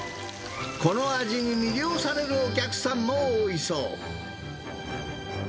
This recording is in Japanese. この味に魅了されるお客さんも多いそう。